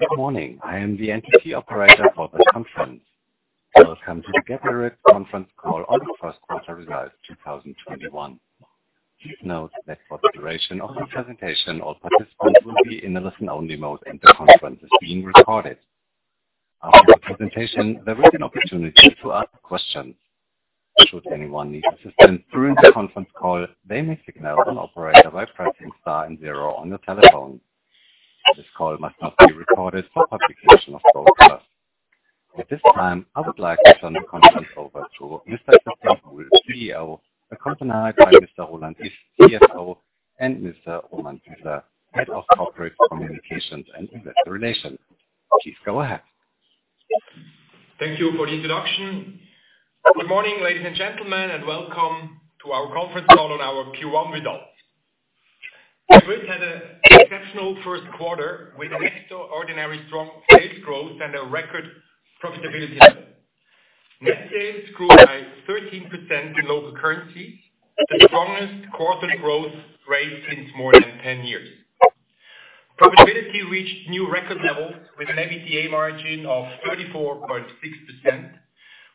Good morning. I am the conference operator for the conference. Welcome to the Geberit conference call on Q1 results, 2021. Please note that for the duration of the presentation, all participants will be in a listen-only mode, and the conference is being recorded. After the presentation, there will be an opportunity to ask questions. Should anyone need assistance during the conference call, they may signal an operator by pressing star and zero on your telephone. This call must not be recorded for publication or broadcast. At this time, I would like to turn the conference over to Mr. Christian Buhl, CEO, accompanied by Mr. Roland Iff, CFO, and Mr. Roman Sidler, Head of Corporate Communications and Investor Relations. Please go ahead. Thank you for the introduction. Good morning, ladies and gentlemen, and welcome to our conference call on our Q1 results. Geberit had a exceptional Q1 with extraordinary strong sales growth and a record profitability level. Net sales grew by 13% in local currency, the strongest quarter growth rate since more than 10 years. Profitability reached new record levels with an EBITDA margin of 34.6%,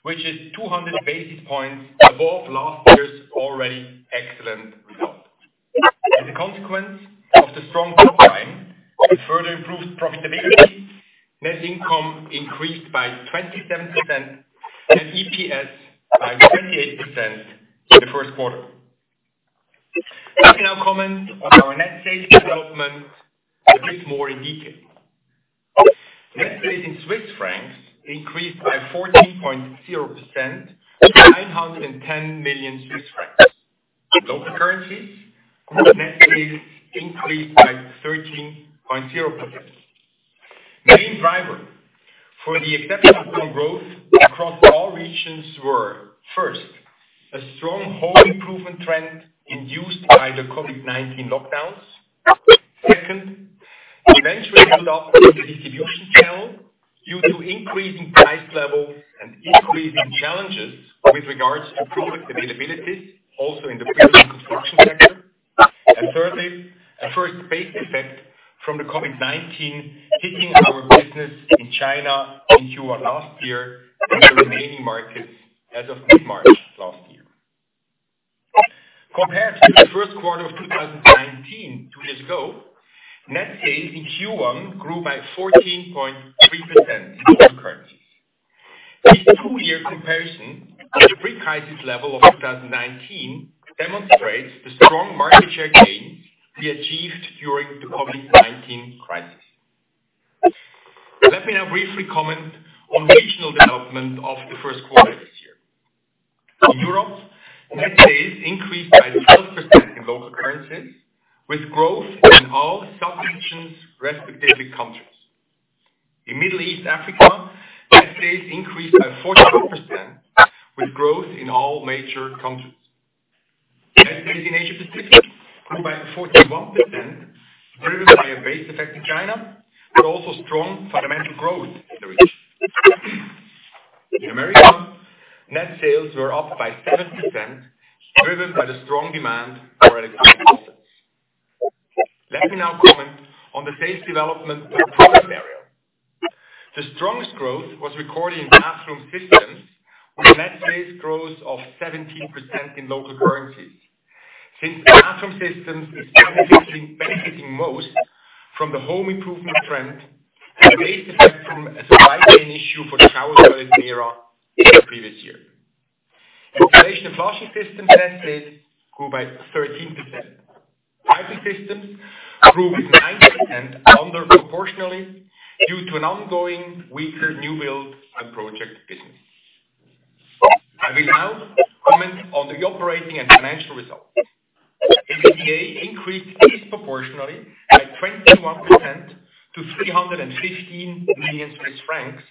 which is 200 basis points above last year's already excellent result. As a consequence of the strong top line and further improved profitability, net income increased by 27% and EPS by 28% in Q1. Let me now comment on our net sales development a bit more in detail. Net sales in CHF increased by 14.0% to 910 million Swiss francs. In local currencies, group net sales increased by 13.0%. Main driver for the exceptional growth across all regions were, first, a strong home improvement trend induced by the COVID-19 lockdowns. Second, eventually built up in the distribution channel due to increasing price levels and increasing challenges with regards to product availability, also in the building construction sector. Thirdly, a first base effect from the COVID-19 hitting our business in China in Q1 last year and the remaining markets as of mid-March last year. Compared to the first quarter of 2019, two years ago, net sales in Q1 grew by 14.3% in local currencies. This two-year comparison with the pre-crisis level of 2019 demonstrates the strong market share gains we achieved during the COVID-19 crisis. Let me now briefly comment on the regional development of the first quarter this year. In Europe, net sales increased by 12% in local currencies, with growth in all sub-regions respective countries. In Middle East, Africa, net sales increased by 14%, with growth in all major countries. Net sales in Asia-Pacific grew by 41%, driven by a base effect in China, but also strong fundamental growth in the region. In America, net sales were up by 7%, driven by the strong demand for electricfaucets. Let me now comment on the sales development by product area. The strongest growth was recorded in Bathroom Systems, with net sales growth of 17% in local currencies. Since Bathroom Systems is benefiting most from the home improvement trend and a base effect from a supply chain issue for the shower toilet Mera in the previous year. Installation and Flushing Systems net sales grew by 13%. Piping Systems grew with 9% under proportionally due to an ongoing weaker new build and project business. I will now comment on the operating and financial results. EBITDA increased disproportionately by 21% to 315 million Swiss francs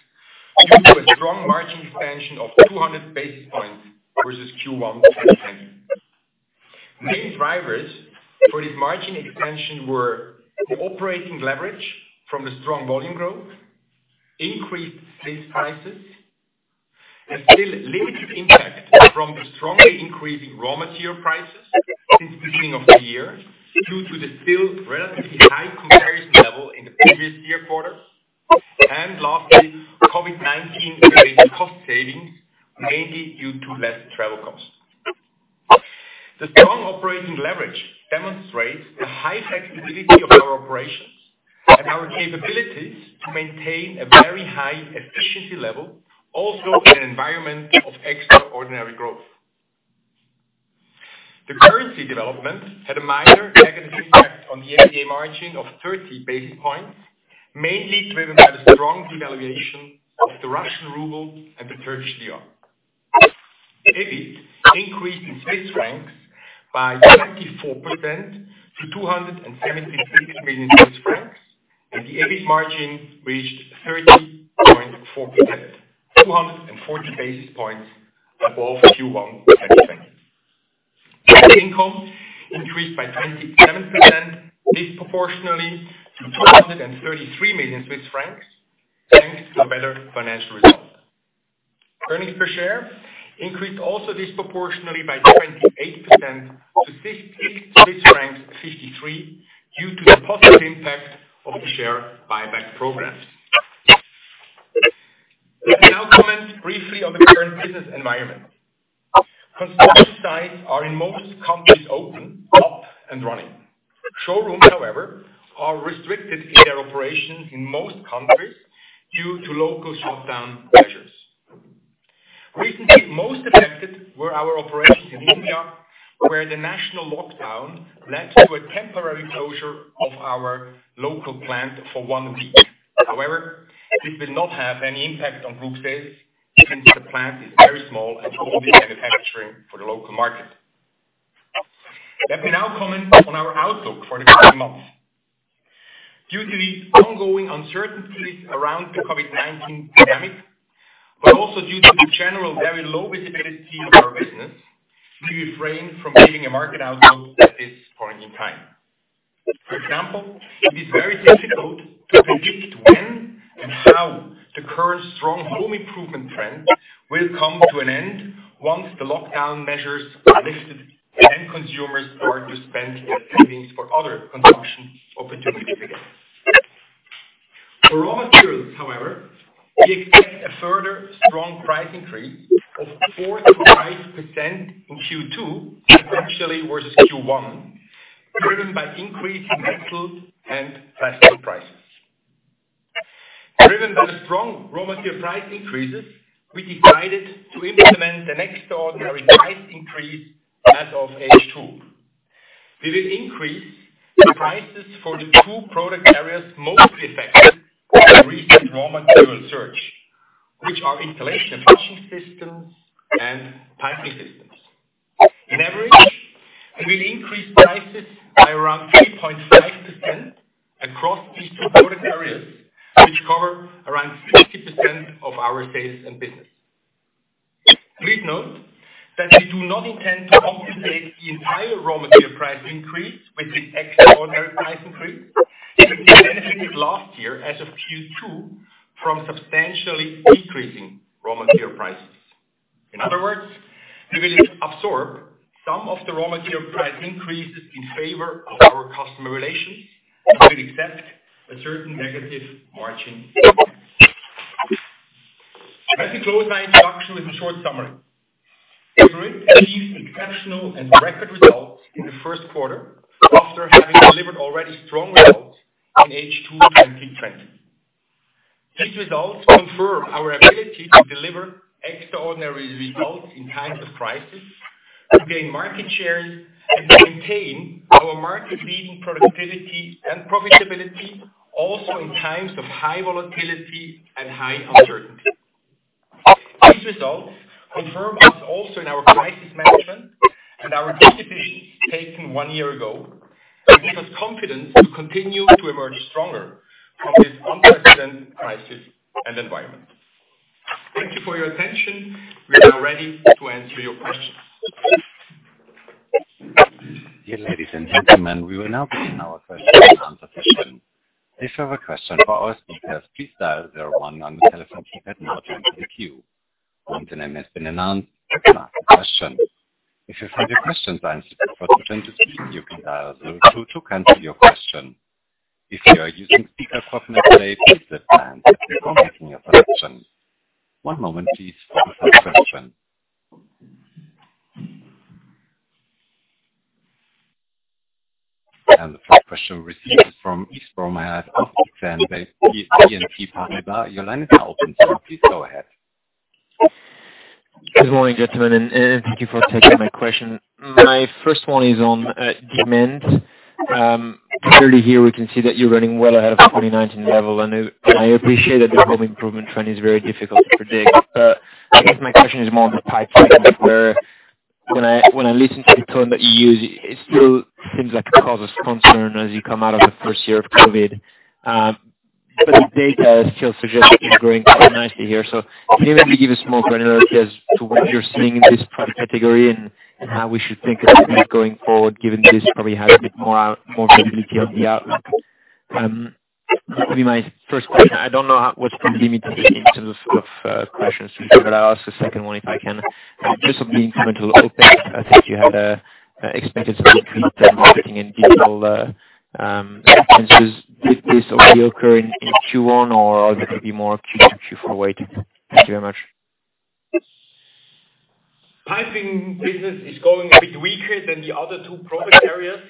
due to a strong margin expansion of 200 basis points versus Q1 2020. Main drivers for this margin expansion were the operating leverage from the strong volume growth, increased sales prices, a still limited impact from the strongly increasing raw material prices since the beginning of the year, due to the still relatively high comparison level in the previous year quarters. Lastly, COVID-19 related cost savings, mainly due to less travel costs. The strong operating leverage demonstrates the high flexibility of our operations and our capabilities to maintain a very high efficiency level, also in an environment of extraordinary growth. The currency development had a minor negative impact on the EBITDA margin of 30 basis points, mainly driven by the strong devaluation of the Russian RUB and the Turkish TRY. EBIT increased in CHF by 24% to 276 million Swiss francs. The EBIT margin reached 30.4%, 240 basis points above Q1 2020. Net income increased by 27% disproportionally to 233 million Swiss francs, thanks to better financial results. Earnings per share increased also disproportionately by 28% to 60.53 due to the positive impact of the share buyback program. Let me now comment briefly on the current business environment. Construction sites are in most countries open, up, and running. Showrooms, however, are restricted in their operations in most countries due to local shutdown measures. Recently, most affected were our operations in India, where the national lockdown led to a temporary closure of our local plant for one week. However, this will not have any impact on group sales since the plant is very small and only manufacturing for the local market. Let me now comment on our outlook for the coming months. Due to the ongoing uncertainties around the COVID-19 pandemic, also due to the general very low visibility of our business, we refrain from giving a market outlook at this point in time. For example, it is very difficult to predict when and how the current strong home improvement trend will come to an end once the lockdown measures are lifted and consumers start to spend their savings for other consumption opportunities again. For raw materials, however, we expect a further strong price increase of 4% - 5% in Q2 potentially versus Q1, driven by increasing metal and plastic prices. Driven by the strong raw material price increases, we decided to implement an extraordinary price increase as of H2. We will increase the prices for the two product areas most affected by the recent raw material surge, which are Installation and Flushing Systems and Piping Systems. In average, we will increase prices by around 3.5% across these two product areas, which cover around 60% of our sales and business. Please note that we do not intend to compensate the entire raw material price increase with this extraordinary price increase, since we benefited last year as of Q2 from substantially decreasing raw material prices. In other words, we will absorb some of the raw material price increases in favor of our customer relations and will accept a certain negative margin impact. Let me close my introduction with a short summary. Geberit achieved exceptional and record results in the first quarter after having delivered already strong results in H2 2020. These results confirm our ability to deliver extraordinary results in times of crisis, to gain market share, and to maintain our market-leading productivity and profitability also in times of high volatility and high uncertainty. These results confirm us also in our crisis management and our quick decisions taken one year ago and give us confidence to continue to emerge stronger from this unprecedented crisis and environment. Thank you for your attention. We are now ready to answer your questions. Dear ladies and gentlemen, we will now begin our question and answer session. One moment please for the first question. And the first question received from Ismo Mäkiranta of BNP Paribas. Your line is now open, sir. Please go ahead. Good morning, gentlemen. Thank you for taking my question. My first one is on demand. Clearly here we can see that you're running well ahead of the 2019 level, and I appreciate that the home improvement trend is very difficult to predict. I guess my question is more on the pipe segment where when I listen to the tone that you use, it still seems like it causes concern as you come out of the first year of COVID. The data still suggests it's growing quite nicely here. Can you maybe give us more granularity as to what you're seeing in this product category and how we should think about this going forward, given this probably has a bit more visibility on the outlook? That would be my first question. I don't know what's going to be limited in terms of questions from here, but I'll ask a second one if I can. Just on the incremental OpEx, I think you had expected some increase in marketing and digital expenses. Did this already occur in Q1 or is it going to be more Q2, Q4 weighted? Thank you very much. Piping business is going a bit weaker than the other two product areas,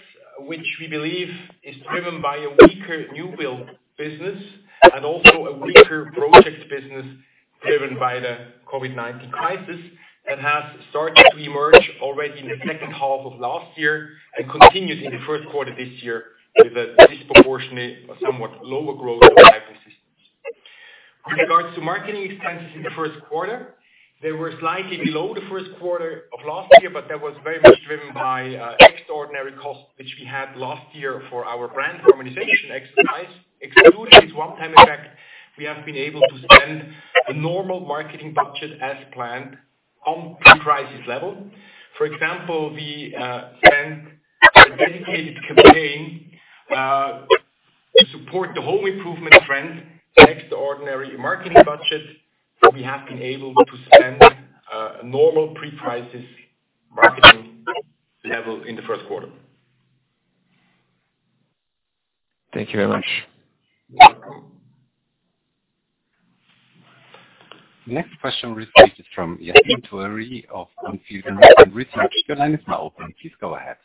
which we believe is driven by a weaker new build business and also a weaker project business driven by the COVID-19 crisis that has started to emerge already in the second half of last year and continues in the first quarter this year with a disproportionate or somewhat lower growth of piping systems. With regards to marketing expenses in the first quarter, they were slightly below the first quarter of last year. That was very much driven by extraordinary costs, which we had last year for our brand harmonization exercise. Excluding this one-time effect, we have been able to spend the normal marketing budget as planned on pre-crisis level. For example, we spent a dedicated campaign support the home improvement trend, extraordinary marketing budget that we have been able to spend a normal pre-crisis marketing level in the first quarter. Thank you very much. You're welcome. The next question received is from Yassine Touahri of On Field Investment Research. Your line is now open. Please go ahead.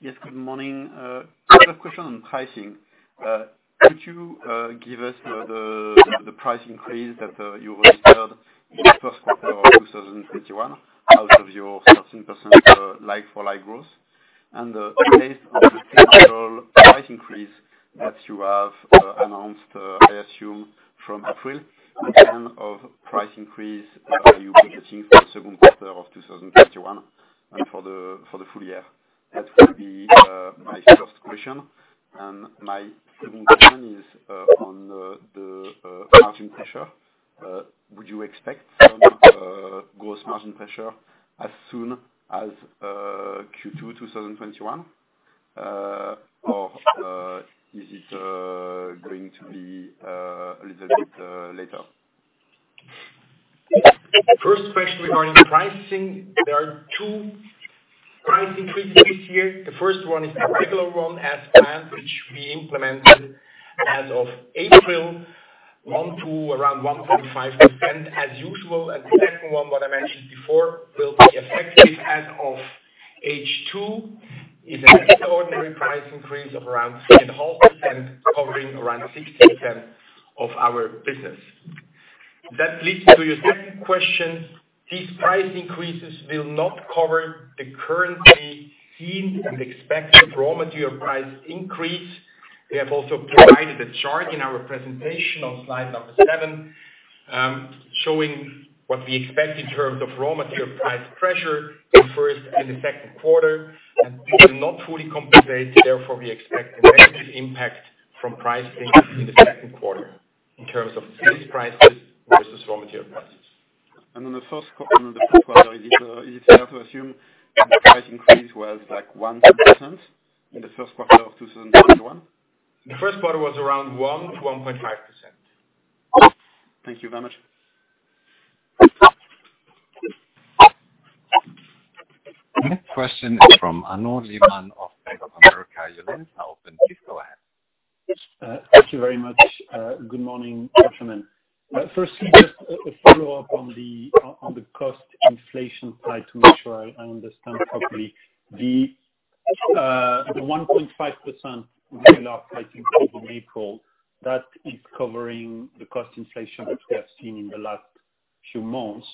Yes, good morning. I have a question on pricing. Could you give us the price increase that you registered in Q1 2021 out of your 13% like-for-like growth? Based on the potential price increase that you have announced, I assume, from April, in terms of price increase, are you budgeting for Q2 2021 and for the full year? That will be my first question. My second question is on the margin pressure. Would you expect some gross margin pressure as soon as Q2 2021? Is it going to be a little bit later? First question regarding pricing, there are two price increases this year. The first one is the regular one as planned, which we implemented as of April, 1% to around 1.5% as usual. The second one, what I mentioned before, will be effective as of H2, is an extraordinary price increase of around 3.5%, covering around 60% of our business. That leads to your second question. These price increases will not cover the currently seen and expected raw material price increase. We have also provided a chart in our presentation on slide number seven, showing what we expect in terms of raw material price pressure in first and the second quarter. These will not fully compensate, therefore, we expect a negative impact from price increase in the second quarter in terms of sales prices versus raw material prices. On Q1, is it fair to assume that the price increase was like 1% in Q1 of 2021? Q1 was around 1%-1.5%. Thank you very much. Next question is from Arnaud Lehmann of Bank of America. Your line is now open. Please go ahead. Thank you very much. Good morning, gentlemen. Firstly, just a follow-up on the cost inflation side to make sure I understand properly. The 1.5% regular price increase in April, that is covering the cost inflation which we have seen in the last few months,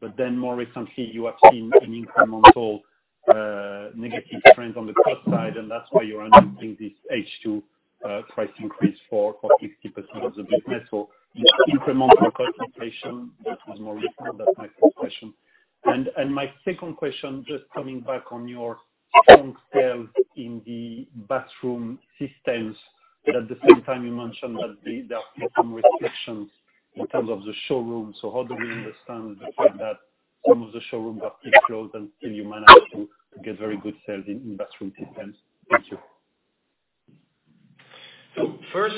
but then more recently, you have seen an incremental negative trend on the cost side, and that's why you're announcing this H2 price increase for 50% of the business. The incremental cost inflation, that was more recent. That's my first question. My second question, just coming back on your strong sales in the Bathroom Systems, but at the same time you mentioned that there are still some restrictions in terms of the showroom. How do we understand the fact that some of the showrooms are still closed and still you manage to get very good sales in Bathroom Systems? Thank you. First,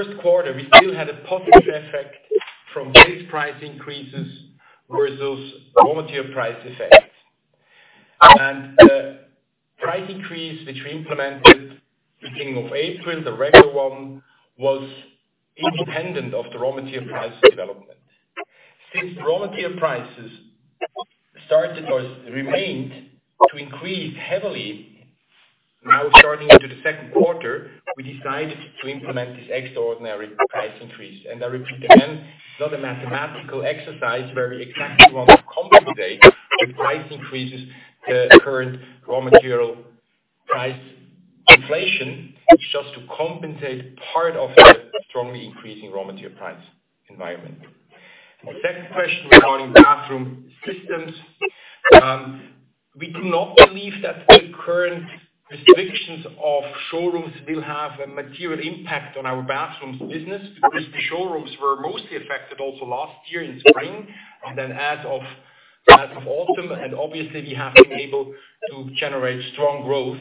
in Q1, we still had a positive effect from base price increases versus raw material price effect. The price increase, which we implemented beginning of April, the regular one, was independent of the raw material price development. Raw material prices started or remained to increase heavily now starting into Q2, we decided to implement this extraordinary price increase. I repeat again, it's not a mathematical exercise where we exactly want to compensate with price increases the current raw material price inflation. It's just to compensate part of the strongly increasing raw material price environment. The second question regarding Bathroom Systems. We do not believe that the current restrictions of showrooms will have a material impact on our bathrooms business because the showrooms were mostly affected also last year in spring, and then as of autumn, and obviously we have been able to generate strong growth.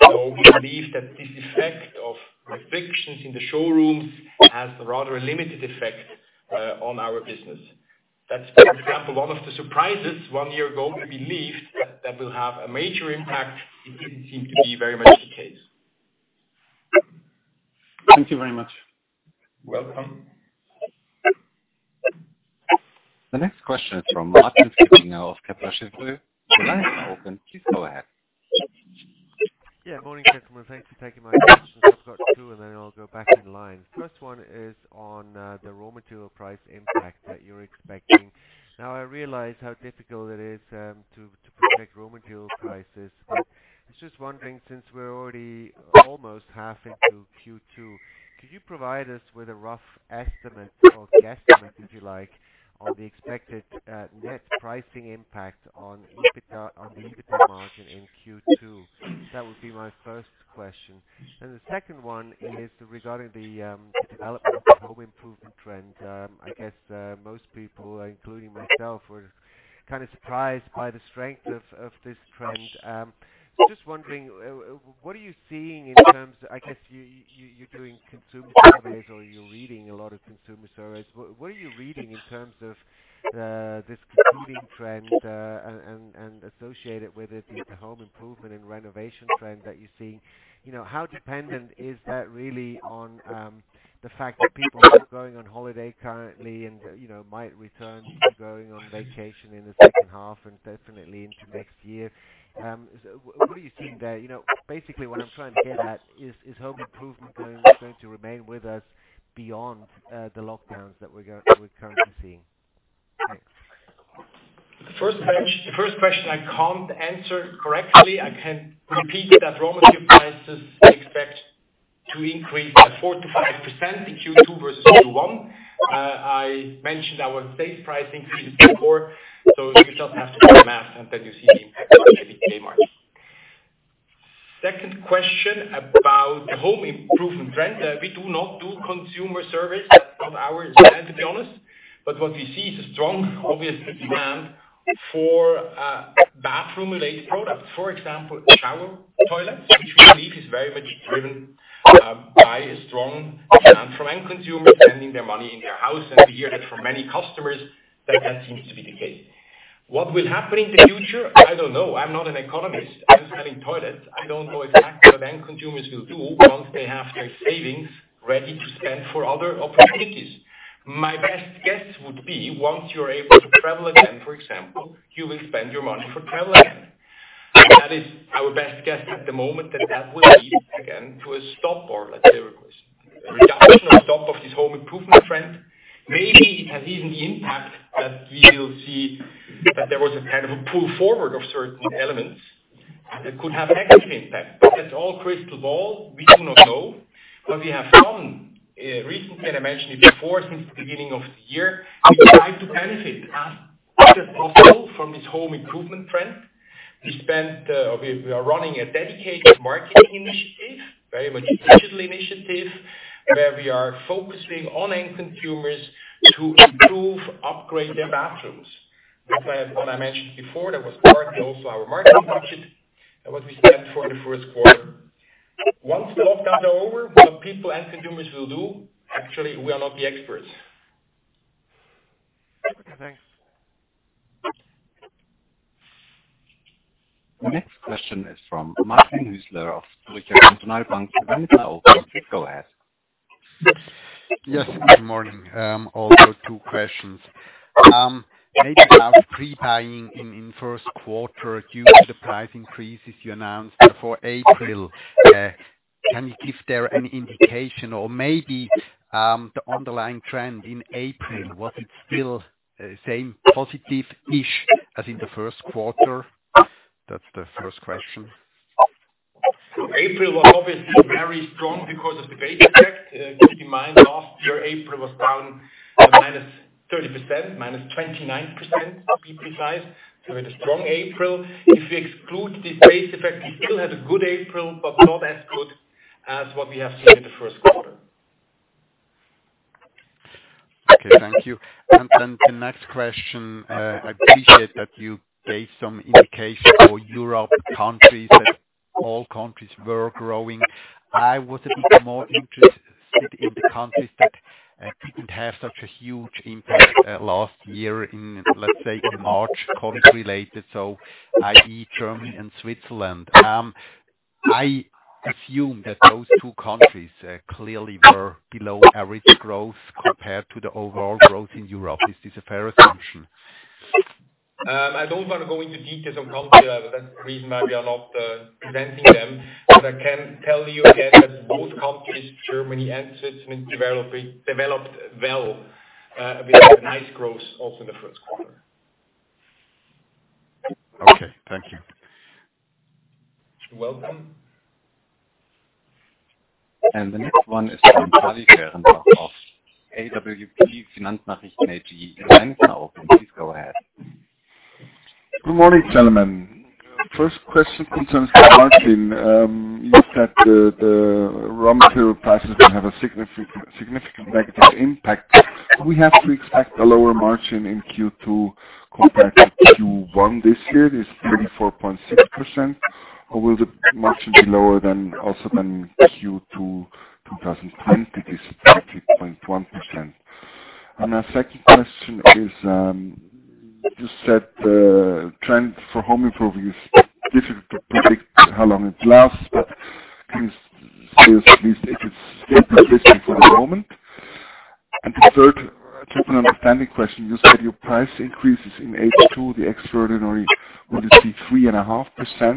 We believe that this effect of restrictions in the showrooms has rather a limited effect on our business. That's, for example, one of the surprises one year ago, we believed that will have a major impact. It didn't seem to be very much the case. Thank you very much. Welcome. The next question is from Martin Flüeckiger of Kepler Cheuvreux. Your line is now open. Please go ahead. Morning, gentlemen. Thanks for taking my questions. I've got two, and then I'll go back in line. First one is on the raw material price impact that you're expecting. I realize how difficult it is to predict raw material prices. I was just wondering since we're already almost half into Q2, could you provide us with a rough estimate or guesstimate, if you like, on the expected net pricing impact on the EBITDA margin in Q2? That would be my first question. The second one is regarding the development of the home improvement trend. I guess most people, including myself, were kind of surprised by the strength of this trend. Just wondering, what are you seeing in terms? I guess you're doing consumer surveys or you're reading a lot of consumer surveys. What are you reading in terms of this competing trend, and associated with it, the home improvement and renovation trend that you are seeing? How dependent is that really on the fact that people aren't going on holiday currently and might return to going on vacation in H2 and definitely into next year? What are you seeing there? Basically what I am trying to get at is home improvement going to remain with us beyond the lockdowns that we are currently seeing? Thanks. The first question I can't answer correctly. I can repeat that raw material prices we expect to increase at 4%-5% in Q2 versus Q1. I mentioned our base pricing figures before, you just have to do the math and then you see the impact on Geberit markets. Second question about the home improvement trend. We do not do consumer surveys, not our plan, to be honest. What we see is a strong obvious demand for bathroom-related products. For example, shower toilets, which we believe is very much driven by a strong demand from end consumers spending their money in their house. We hear that from many customers, that seems to be the case. What will happen in the future? I don't know. I'm not an economist. I'm selling toilets. I don't know exactly what end consumers will do once they have their savings ready to spend for other opportunities. My best guess would be once you're able to travel again, for example, you will spend your money for travel again. That is our best guess at the moment that that will lead again to a stop or, let's say, a reduction or stop of this home improvement trend. Maybe it has even the impact that we will see that there was a kind of a pull forward of certain elements that could have an impact. That's all crystal ball. We do not know. What we have done, recently, and I mentioned it before, since the beginning of the year, we try to benefit as much as possible from this home improvement trend. We are running a dedicated marketing initiative, very much a digital initiative, where we are focusing on end consumers to improve, upgrade their bathrooms, which I had mentioned before. That was part also our marketing budget and what we spent for the first quarter. Once the lockdowns are over, what people and consumers will do, actually, we are not the experts. Okay, thanks. The next question is from Martin Hüsler of Zürcher Kantonalbank. The line is now open. Please go ahead. Good morning. Two questions. Maybe about pre-buying in Q1 due to the price increases you announced for April. Can you give there an indication or maybe the underlying trend in April? Was it still same positive-ish as in the first quarter? That's the first question. April was obviously very strong because of the base effect. Keep in mind, last year, April was down minus 30%, minus 29%, to be precise. We had a strong April. If you exclude the base effect, we still had a good April, but not as good as what we have seen in the first quarter. Okay, thank you. The next question, I appreciate that you gave some indication for Europe countries, that all countries were growing. I was a bit more interested in the countries that didn't have such a huge impact last year in, let's say, March, COVID-related, so i.e., Germany and Switzerland. I assume that those two countries clearly were below average growth compared to the overall growth in Europe. Is this a fair assumption? I don't want to go into details on country level. That's the reason why we are not presenting them. I can tell you again that both countries, Germany and Switzerland, developed well. We had a nice growth also in Q1. Okay, thank you. You're welcome. The next one is from Charlie Berenbaum of AWP Finanznachrichten AG. Your line is now open. Please go ahead. Good morning, gentlemen. First question concerns the margin. You said the raw material prices will have a significant negative impact. Do we have to expect a lower margin in Q2 compared to Q1 this year, this 34.6%? Will the margin be lower than also than Q2 2020, this 30.1%? My second question is, you said the trend for home improvement is difficult to predict how long it lasts, but can you say at least if it's still in place for the moment? The third, kind of an outstanding question, you said your price increases in H2, the extraordinary, will it be 3.5%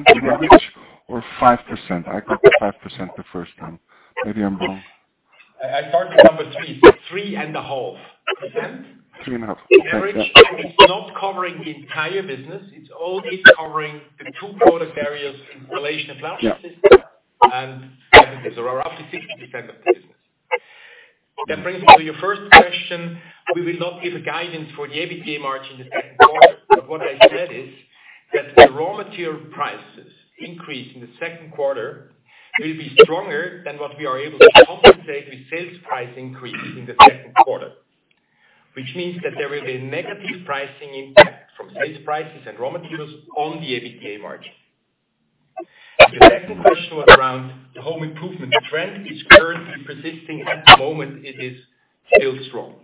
on average or 5%? I got the 5% the first time. Maybe I'm wrong. I heard the number three, 3.5%. Three and a half. Okay, yeah. The average is not covering the entire business. It's only covering the two product areas, Installation and Flushing Systems and Piping Systems. Roughly 60% of the business. That brings me to your first question. We will not give a guidance for the EBITDA margin in the second quarter. What I said is, that the raw material prices increase in the second quarter will be stronger than what we are able to compensate with sales price increases in the second quarter. Which means that there will be a negative pricing impact from sales prices and raw materials on the EBITDA margin. The second question was around the home improvement trend is currently persisting. At the moment it is still strong.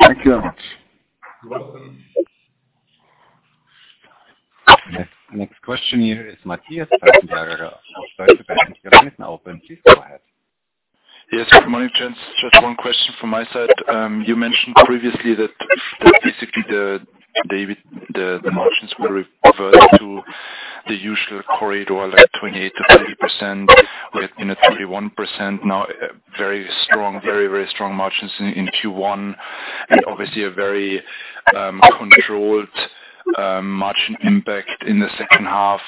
Thank you very much. You're welcome. Next question here is Matthias. Please go ahead. Yes. Good morning, gents. Just one question from my side. You mentioned previously that basically, EBITDA margins will revert to the usual corridor, like 28%-30%. We have been at 31% now, very strong margins in Q1 and obviously a very controlled margin impact in the second half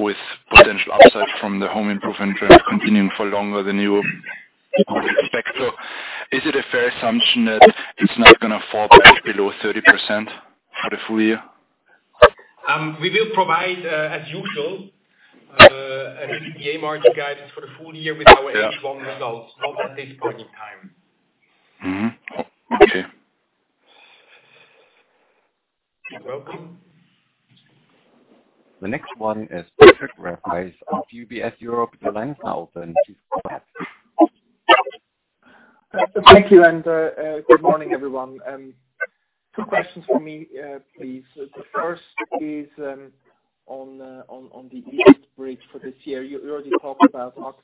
with potential offset from the home improvement trends continuing for longer than you would expect. Is it a fair assumption that it's not going to fall back below 30% for the full year? We will provide, as usual, an EBITDA margin guidance for the full year with our H1 results, not at this point in time. Mm-hmm. Okay. You're welcome. The next one is Patrick Reitz of UBS Europe. The line is now open. Please go ahead. Thank you. Good morning, everyone. Two questions for me, please. The first is on the EBITDA for this year. You already talked about OpEx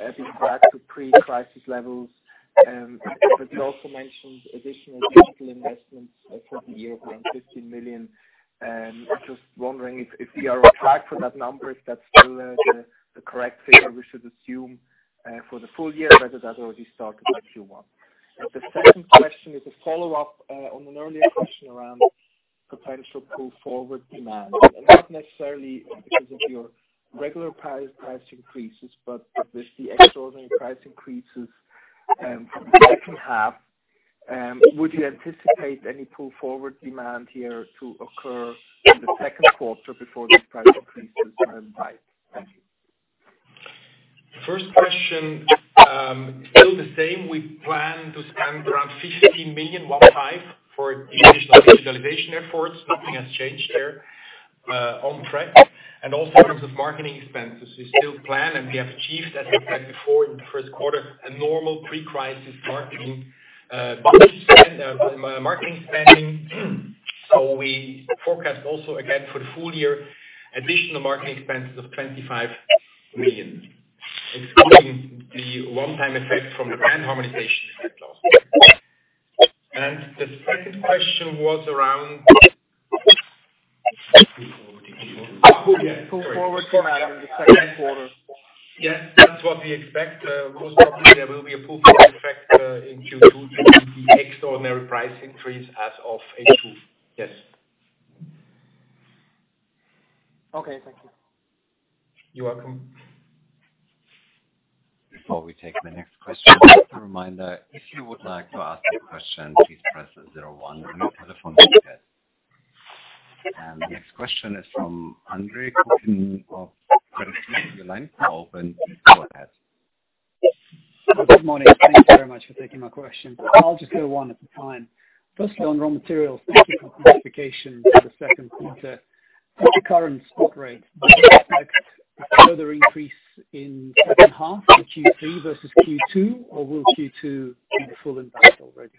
being back to pre-crisis levels. You also mentioned additional digital investments for the year, around 15 million. I'm just wondering if we are on track for that number, if that's still the correct figure we should assume for the full year, whether that already started in Q1. The second question is a follow-up on an earlier question around potential pull forward demand, not necessarily because of your regular price increases, but with the extraordinary price increases from the second half. Would you anticipate any pull forward demand here to occur in the second quarter before these price increases take effect? Thank you. First question, still the same. We plan to spend around 15 million, one, five, for digitalization efforts. Nothing has changed there, on track. Also in terms of marketing expenses, we still plan, and we have achieved, as we said before, in the first quarter, a normal pre-crisis marketing spending. We forecast also again for the full year, additional marketing expenses of 25 million, excluding the one-time effect from the brand harmonization last year. The second question was around Pull forward in Q4. Yes, pull forward demand in the second quarter. Yes. That's what we expect. Most probably there will be a pull forward effect, in Q2 due to the extraordinary price increase as of H2. Yes. Okay, thank you. You're welcome. Before we take the next question, just a reminder, if you would like to ask a question, please press zero one on your telephone keypad. The next question is from Andre Kukhnin of Credit Suisse. Your line is now open. Go ahead. Good morning. Thank you very much for taking my question. I'll just do one at a time. Firstly, on raw materials, thank you for clarification for Q2. At the current spot rate, do you expect a further increase in H2, so Q3 versus Q2? Or will Q2 be the full impact already?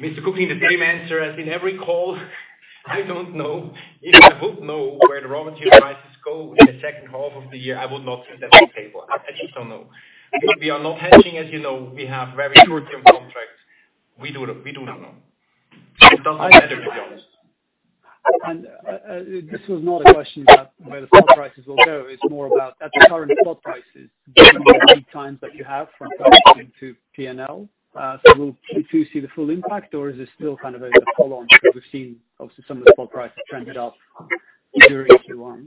Mr. Kukhnin, the same answer as in every call. I don't know. If I would know where the raw material prices go in the second half of the year, I would not put that on the table. I just don't know. We are not hedging as you know. We have very short-term contracts. We do not know. It doesn't matter if we don't. This was not a question about where the spot prices will go. It's more about at the current spot prices, given the lead times that you have from passing that to P&L. Will Q2 see the full impact or is this still kind of a follow on, because we've seen obviously some of the spot prices trended up during Q1?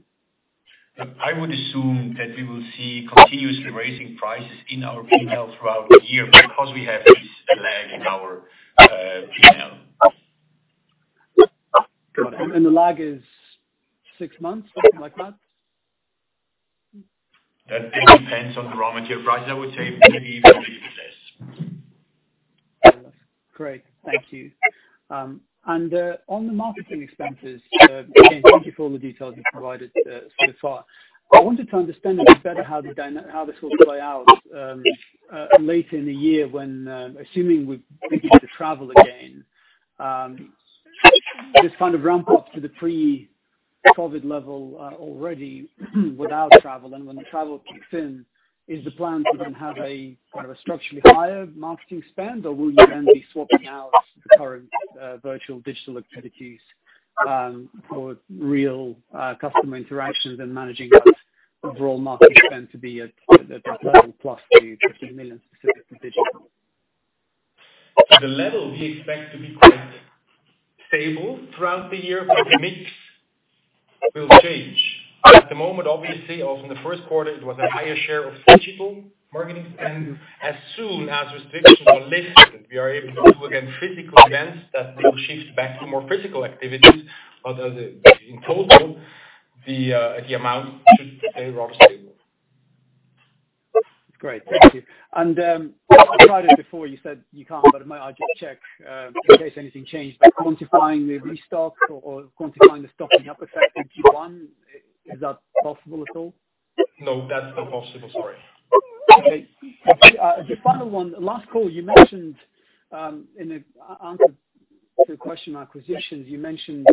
I would assume that we will see continuously raising prices in our P&L throughout the year because we have this lag in our P&L. Got it. The lag is six months? Something like that? That depends on the raw material prices. I would say maybe even a little bit less. Fair enough. Great, thank you. On the marketing expenses, again, thank you for all the details you provided so far. I wanted to understand a bit better how this will play out, later in the year when, assuming we begin to travel again, this kind of ramp up to the pre-COVID level already without travel. When the travel kicks in, is the plan to then have a kind of a structurally higher marketing spend, or will you then be swapping out the current virtual digital activities, for real customer interactions and managing that overall marketing spend to be at that CHF 12 plus to 15 million specific to digital? The level we expect to be quite stable throughout the year, the mix will change. At the moment, obviously, or in the first quarter, it was a higher share of digital marketing. As soon as restrictions are lifted, we are able to hold again physical events, that will shift back to more physical activities. In total, the amount should stay rather stable. Great. Thank you. I tried it before, you said you can't, but may I just check, in case anything changed, but quantifying the restock or quantifying the stocking up effect in Q1, is that possible at all? No, that's not possible, sorry. Okay. The final one, last call, in answer to a question on acquisitions, you mentioned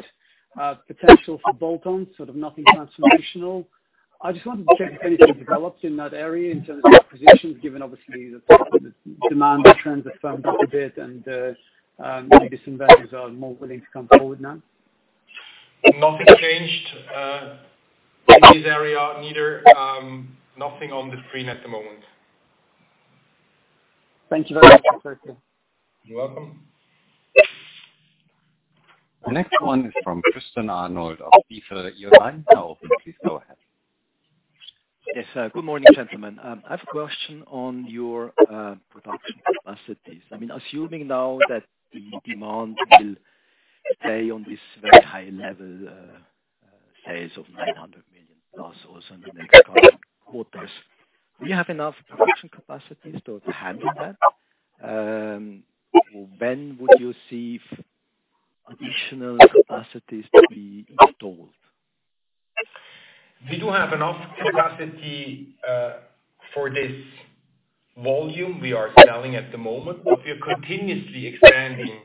potential for bolt-ons, sort of nothing transformational. I just wanted to check if anything developed in that area in terms of acquisitions, given obviously the demand trends have firmed up a bit and maybe some vendors are more willing to come forward now. Nothing changed, in this area, neither. Nothing on the screen at the moment. Thank you very much. You're welcome. The next one is from Christian Arnold of DZ Bank. Your line now open. Please go ahead. Yes. Good morning, gentlemen. I have a question on your production capacities. Assuming now that the demand will stay on this very high level, sales of 900 million plus also in the next quarters, do you have enough production capacities to handle that? When would you see additional capacities to be installed? We do have enough capacity for this volume we are selling at the moment, but we are continuously expanding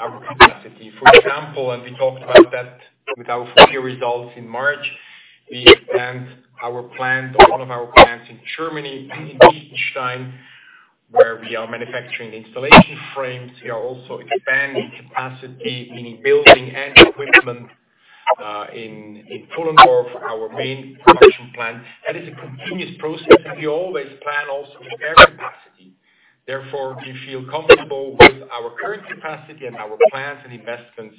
our capacity. For example, and we talked about that with our full year results in March, we expand a lot of our plants in Germany, in Lichtenstein, where we are manufacturing installation frames. We are also expanding capacity, meaning building and equipment, in Pfullendorf, our main production plant. That is a continuous process, and we always plan also spare capacity. Therefore, we feel comfortable with our current capacity and our plans and investments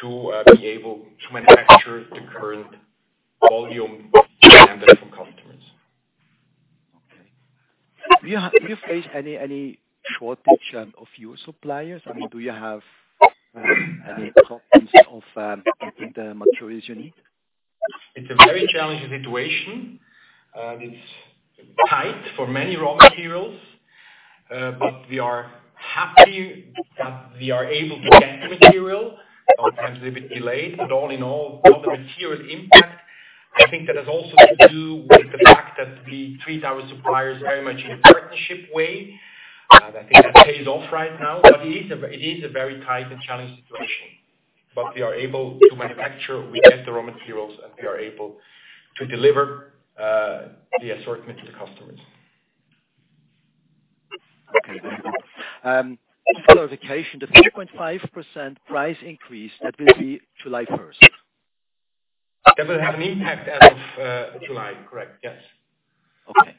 to be able to manufacture the current volume demanded from customers. Okay. Do you face any shortage of your suppliers? Do you have any problems of the materials you need? It's a very challenging situation. It's tight for many raw materials, but we are happy that we are able to get the material, sometimes a bit delayed, but all in all, not a material impact. I think that has also to do with the fact that we treat our suppliers very much in a partnership way. I think that pays off right now, but it is a very tight and challenging situation. We are able to manufacture, we get the raw materials, and we are able to deliver the assortment to the customers. Okay, thank you. Just clarification, the 3.5% price increase, that will be July 1st? That will have an impact as of July, correct. Yes. Okay.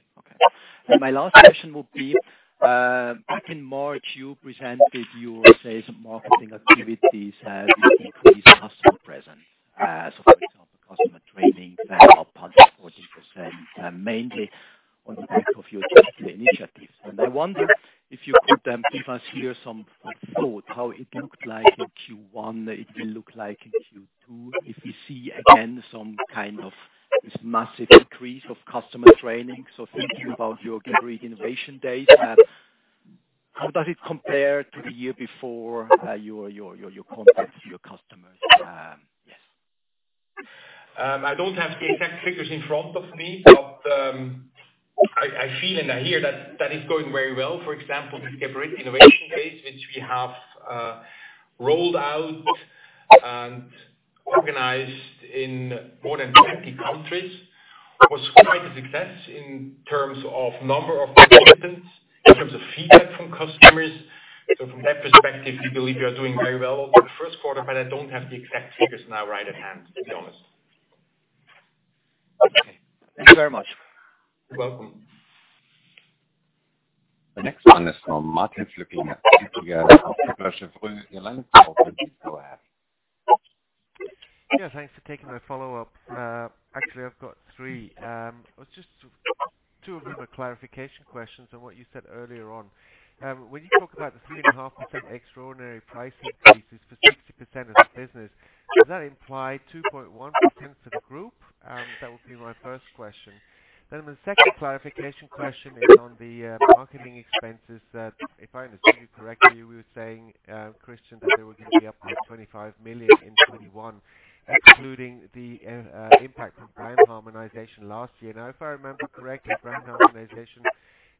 My last question would be, back in March, you presented your sales and marketing activities have increased customer presence. For example, customer training were up 40%, mainly on the back of your digital initiatives. I wonder if you could give us here some thought how it looked like in Q1, it will look like in Q2, if you see, again, some kind of this massive increase of customer training. Thinking about your Geberit Innovation Days, how does it compare to the year before, your contact to your customers? Yes. I don't have the exact figures in front of me, but I feel and I hear that is going very well. For example, the Geberit Innovation Days, which we have rolled out and organized in more than 20 countries, was quite a success in terms of number of participants, in terms of feedback from customers. From that perspective, we believe we are doing very well over the first quarter, but I don't have the exact figures now right at hand, to be honest. Okay. Thank you very much. You're welcome. The next one is from Martin Flueckiger, Kepler Cheuvreux. Your line is open. Please go ahead. Yeah, thanks for taking my follow-up. Actually, I've got three. Two of them are clarification questions on what you said earlier on. When you talk about the 3.5% extraordinary price increases for 60% of the business, does that imply 2.1% to the group? That would be my first question. My second clarification question is on the marketing expenses that, if I understood you correctly, you were saying, Christian, that they will be up by 25 million in 2021, excluding the impact from brand harmonization last year. Now, if I remember correctly, brand harmonization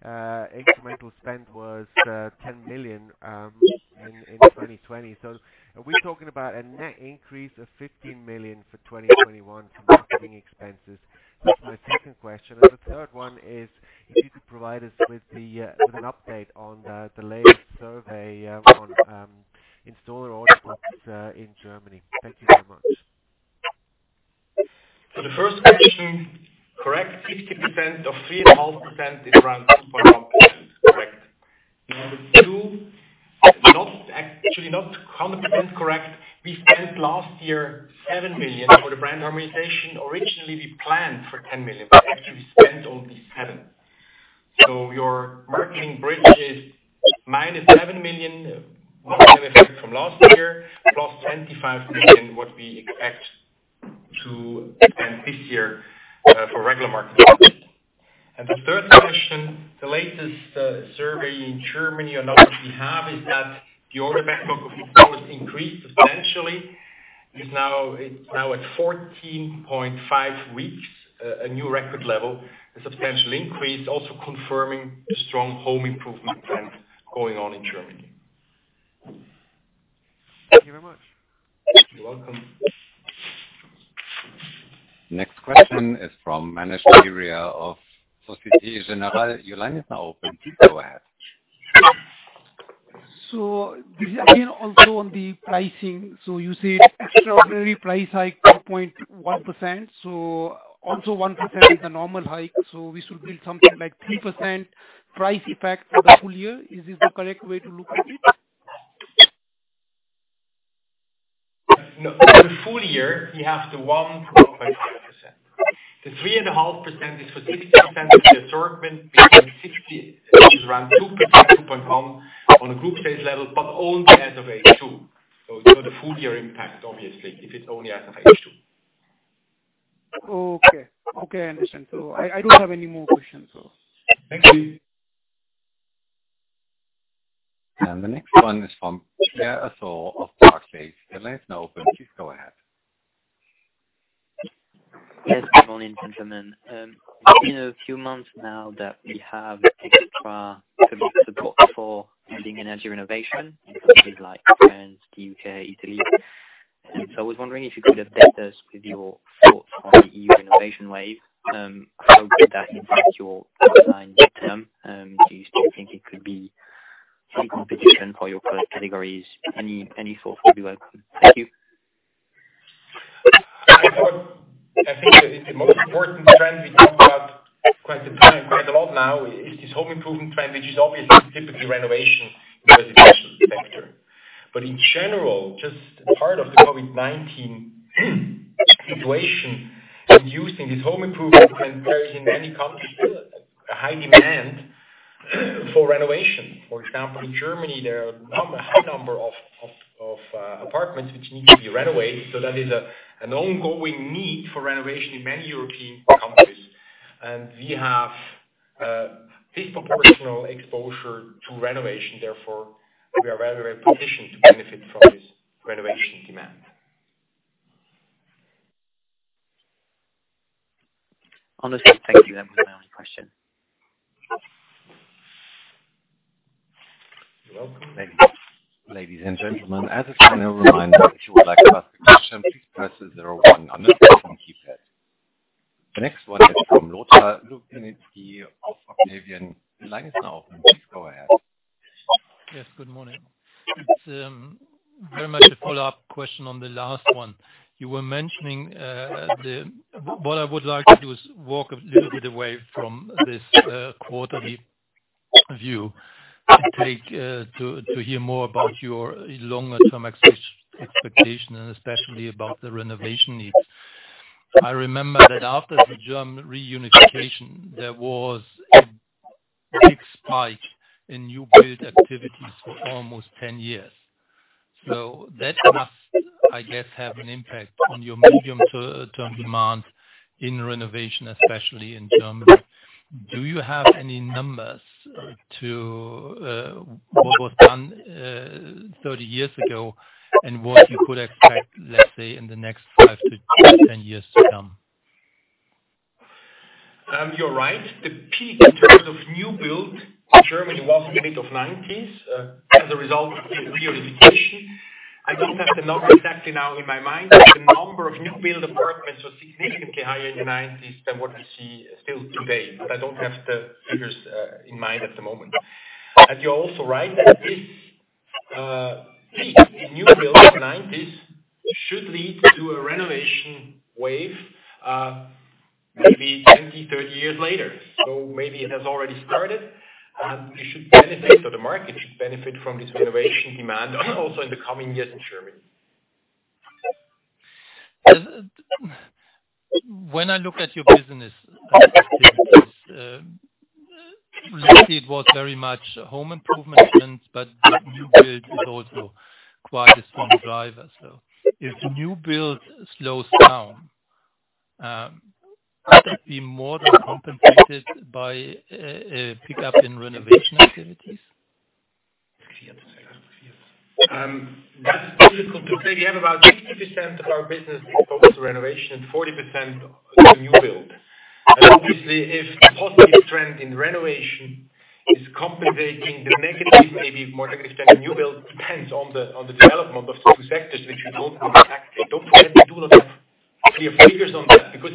incremental spend was 10 million in 2020. Are we talking about a net increase of 15 million for 2021 for marketing expenses? That's my second question. The third one is if you could provide us with an update on the latest survey on installer hotspots in Germany. Thank you so much. First question, correct, 50% of 3.5% is around 2.1%. Correct. Number two, actually not 100% correct. We spent last year 7 million for the brand harmonization. Originally, we planned for 10 million, actually we spent only 7 million. Your marketing bridge is minus 7 million, from last year, plus 25 million, what we expect to spend this year for regular market. The third question, the latest survey in Germany, and what we have is that the order backlog of course increased substantially. It's now at 14.5 weeks, a new record level. A substantial increase, also confirming the strong home improvement trend going on in Germany. Thank you very much. You're welcome. Next question is from Manish Deuria of Societe Generale. Your line is now open. Please go ahead. Again, also on the pricing. You said extraordinary price hike, 2.1%. Also 1% is the normal hike. We should build something like 3% price impact for the full year. Is this the correct way to look at it? No. For the full year, we have the 1.5%. The 3.5% is for 60% of the assortment, which is around 2%, 2.1% on a group base level, but only as of H2. It's not a full year impact, obviously, if it's only as of H2. Okay. I understand. I don't have any more questions. Thank you. The next one is from Pierre Assul of Park Place. Your line is now open. Please go ahead. Good morning, gentlemen. It's been a few months now that we have extra support for building energy renovation in countries like France, the U.K., Italy. I was wondering if you could update us with your thoughts on the E.U. Renovation Wave. How would that impact your outside mid-term? Do you still think it could be free competition for your product categories? Any thoughts would be welcome. Thank you. I think that the most important trend we talk about quite a lot now is this home improvement trend, which is obviously typically renovation in the residential sector. In general, just as part of the COVID-19 situation reducing, this home improvement trend there is in many countries still a high demand for renovation. For example, in Germany, there are a high number of apartments which need to be renovated. That is an ongoing need for renovation in many European countries. We have disproportionate exposure to renovation, therefore, we are very positioned to benefit from this renovation demand. Understood. Thank you. That was my only question. You're welcome. Ladies and gentlemen, as a final reminder, if you would like to ask a question, please press zero one on your phone keypad. Next one is from Lothar Lubinetzki of Octavian. The line is now open. Please go ahead. Yes, good morning. It's very much a follow-up question on the last one. What I would like to do is walk a little bit away from this quarterly view to hear more about your longer term expectation and especially about the renovation needs. I remember that after the German Reunification, there was a big spike in new build activities for almost 10 years. That must, I guess, have an impact on your medium to term demand in renovation, especially in Germany. Do you have any numbers to what was done 30 years ago and what you could expect, let's say, in the next five to 10 years to come? You're right. The peak in terms of new build in Germany was in the mid-1990s, as a result of the reunification. I don't have the number exactly now in my mind, the number of new build apartments was significantly higher in the 1990s than what we see still today. I don't have the figures in mind at the moment. You're also right that this peak in new build of 1990s should lead to a Renovation Wave, maybe 20, 30 years later. Maybe it has already started. We should benefit, or the market should benefit from this renovation demand also in the coming years in Germany. When I look at your business, lately, it was very much home improvement trends. New build is also quite a strong driver. If the new build slows down, could that be more than compensated by a pickup in renovation activities? That's difficult to say. We have about 60% of our business exposed to renovation and 40% to new build. Obviously, if the positive trend in renovation is compensating the negative, maybe more negative trend in new build, depends on the development of the two sectors, which we don't know exactly. Don't forget, we do not have clear figures on that because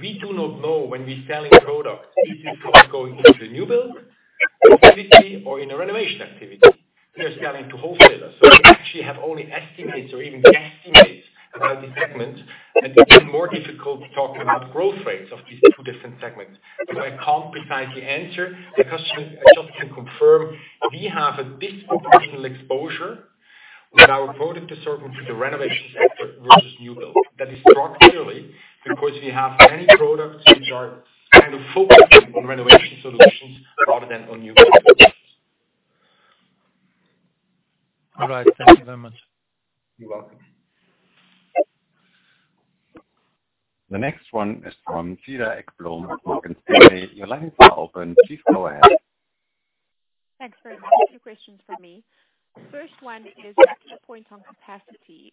we do not know when we're selling products, is this product going into the new build activity or in a renovation activity. We are selling to wholesalers. We actually have only estimates or even guesstimates about the segment, and it becomes more difficult to talk about growth rates of these two different segments. I can't precisely answer. I just can confirm we have a distal regional exposure with our product assortment for the renovations sector versus new build. That is structurally because we have many products which are kind of focusing on renovation solutions rather than on new build solutions. All right. Thank you very much. You're welcome. The next one is from Cedar Ekblom, Morgan Stanley. Your lines are open. Please go ahead. Thanks very much. A few questions from me. First one is back to the point on capacity.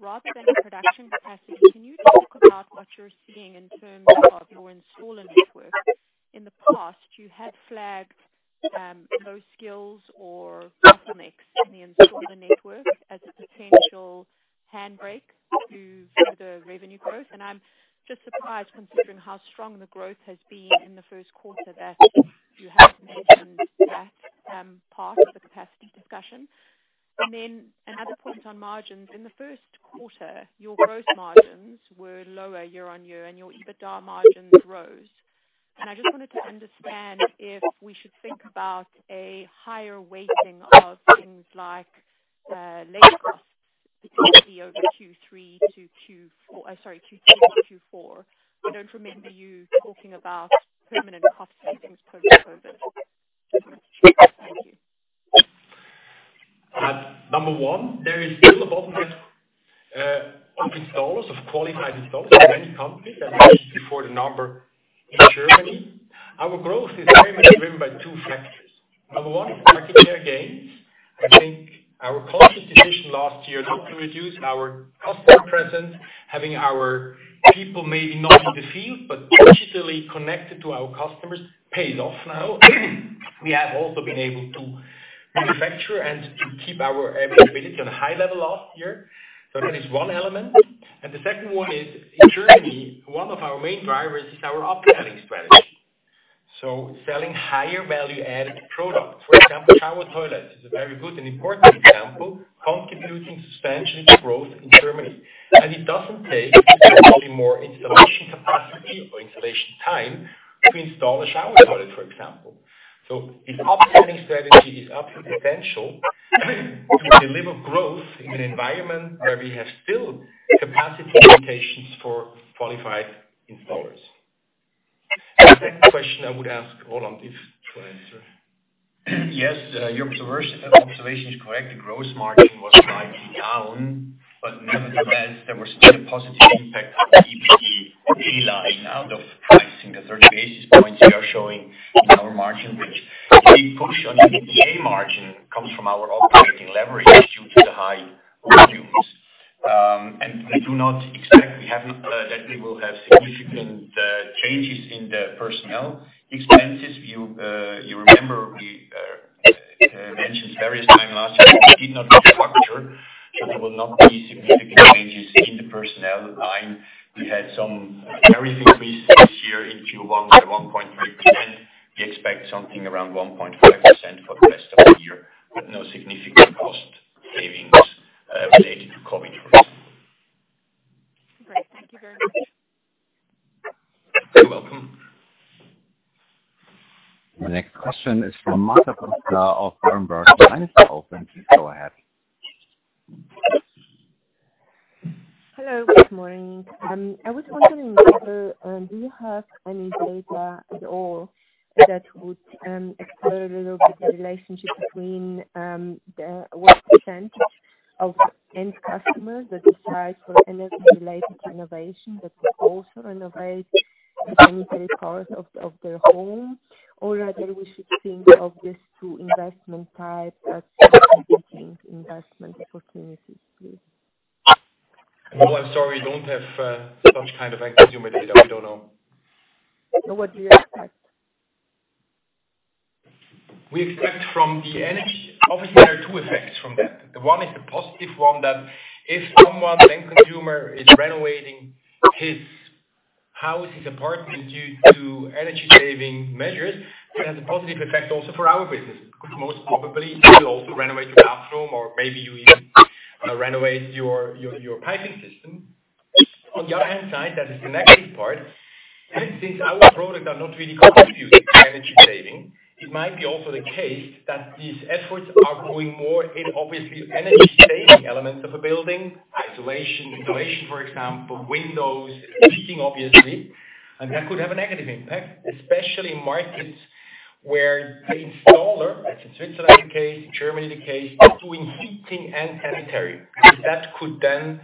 Rather than the production capacity, can you talk about what you're seeing in terms of your installer network? In the past, you had flagged low skills or bottlenecks in the installer network as a potential handbrake to further revenue growth. I'm just surprised, considering how strong the growth has been in the first quarter, that you haven't mentioned that part of the capacity discussion. Then another point on margins. In the first quarter, your gross margins were lower year-on-year, and your EBITDA margins rose. I just wanted to understand if we should think about a higher weighting of things like labor costs, particularly over Q3 to Q4. I'm sorry, Q3 to Q4. I don't remember you talking about permanent cost savings post-COVID. Thank you. Number one, there is still a bottleneck of installers, of qualified installers in many countries. I mentioned before the number in Germany. Our growth is very much driven by two factors. Number one is market share gains. I think our conscious decision last year to reduce our customer presence, having our people maybe not in the field, but digitally connected to our customers, paid off now. We have also been able to manufacture and to keep our availability on a high level last year. That is one element. The second one is, in Germany, one of our main drivers is our upselling strategy. Selling higher value-added products, for example, shower toilets, is a very good and important example, contributing substantially to growth in Germany. It doesn't take probably more installation capacity or installation time to install a shower toilet, for example. This upselling strategy is absolutely essential to deliver growth in an environment where we have still capacity limitations for qualified installers. The second question I would ask Roland to answer. Yes, your observation is correct. The gross margin was slightly down, but nevertheless, there was still a positive impact on the EBITDA line out of pricing. The 30 basis points we are showing in our margin bridge. The push on the EBITDA margin comes from our operating leverage due to the high volumes. We do not expect that we will have significant changes in the personnel expenses. You remember we mentioned various times last year, we did not where the installer, that's in Switzerland the case, in Germany the case, is doing heating and sanitary. That could then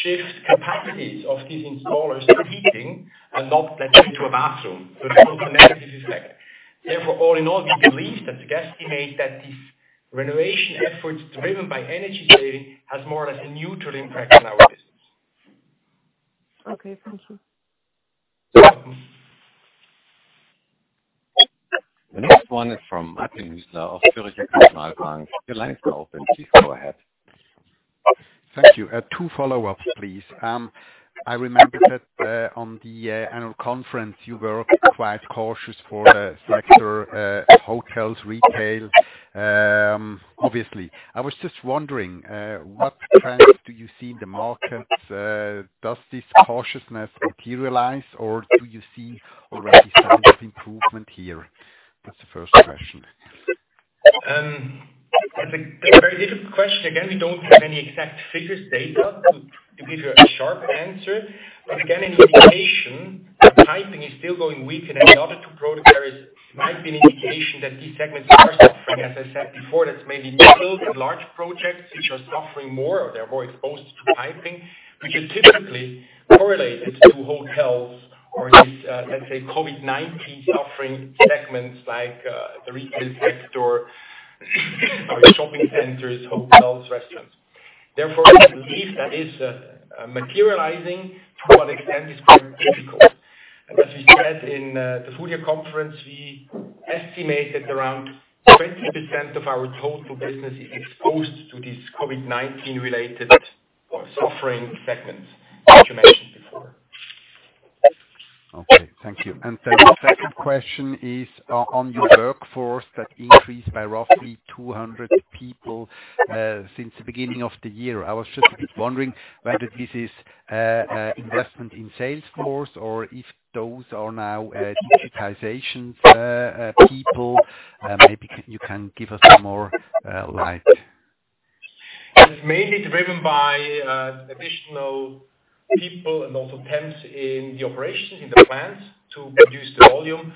shift capacities of these installers to heating and not let's say to a bathroom. That's a negative effect. Therefore, all in all, we believe that the guesstimate that these renovation efforts driven by energy saving has more or less a neutral impact on our business. Okay, thank you. You're welcome. The next one is from Martin Hüsler of Zürcher Kantonalbank. Your line is open. Please go ahead. Thank you. Two follow-ups, please. I remember that on the annual conference, you were quite cautious for the sector, hotels, retail, obviously. I was just wondering, what trends do you see in the markets? Does this cautiousness materialize, or do you see already signs of improvement here? That's the first question. That's a very difficult question. Again, we don't have any exact figures, data, to give you a sharp answer. Again, an indication, piping is still going weak in any other two product areas might be an indication that these segments are suffering. As I said before, that's maybe middle to large projects which are suffering more or they're more exposed to piping, which is typically correlated to hotels or these, let's say, COVID-19 suffering segments like the retail sector or shopping centers, hotels, restaurants. Therefore, I believe that is materializing. To what extent is quite difficult. As we said in the full year conference, we estimate that around 20% of our total business is exposed to these COVID-19 related suffering segments that you mentioned before. Okay. Thank you. The second question is on your workforce that increased by roughly 200 people since the beginning of the year. I was just a bit wondering whether this is investment in sales force or if those are now digitizations people. Maybe you can give us some more light. It's mainly driven by additional people and also temps in the operations, in the plants, to produce the volume,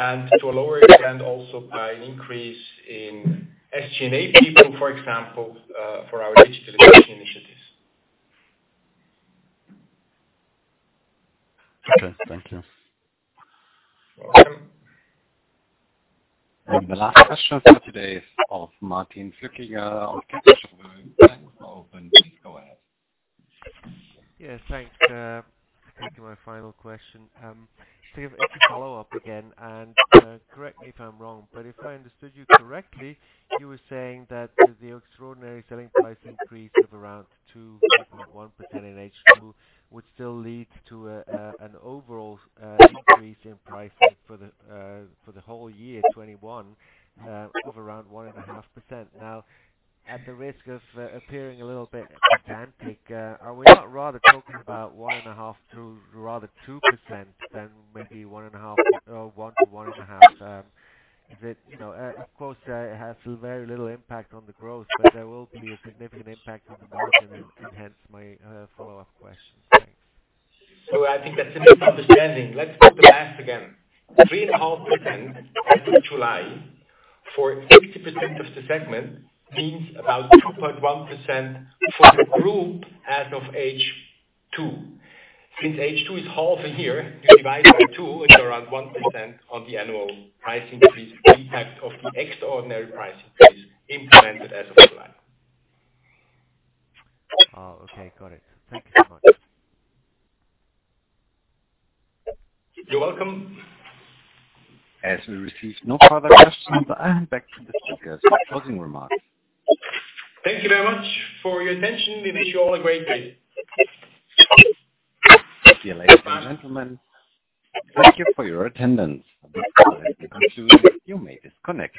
and to a lower extent, also by an increase in SG&A people, for example, for our digitalization initiatives. Okay, thank you. Welcome. The last question for today is of Martin Flückiger. The line is open. Please go ahead. Yes, thanks. Thank you. My final question. Steve, it's a follow-up again, and correct me if I'm wrong, but if I understood you correctly, you were saying that the extraordinary selling price increase of around 2.1% in H2 would still lead to an overall increase in pricing for the whole year 2021 of around 1.5%. At the risk of appearing a little bit pedantic, are we not rather talking about 1.5%-2% than maybe 1.5% or 1%-1.5%? Of course, it has very little impact on the growth, but there will be a significant impact on the margin, and hence my follow-up question. Thanks. I think that's a misunderstanding. Let's do the math again. 3.5% as of July for 80% of the segment means about 2.1% for the group as of H2. Since H2 is half a year, you divide by two and you're around 1% on the annual price increase impact of the extraordinary price increase implemented as of July. Oh, okay. Got it. Thank you very much. You're welcome. As we receive no further questions, I hand back to the speaker for closing remarks. Thank you very much for your attention. We wish you all a great day. Dear ladies and gentlemen, thank you for your attendance. At this time, you may disconnect.